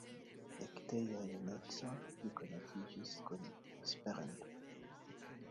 Ekde la juneco li konatiĝis kun Esperanto.